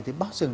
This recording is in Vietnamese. thì bao giờ